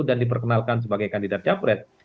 dan diperkenalkan sebagai kandidat capres